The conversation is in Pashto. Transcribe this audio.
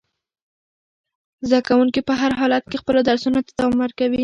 زده کوونکي په هر حالت کې خپلو درسونو ته دوام ورکوي.